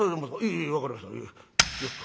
ええええ分かりました。